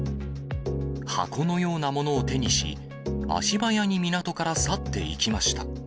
箱のようなものを手にし、足早に港から去っていきました。